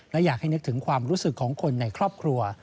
และอยากให้นึกถึงความรู้สึกของคนในครอบครัว